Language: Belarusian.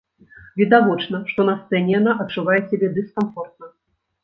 Відавочна, што на сцэне яна адчувае сябе дыскамфортна.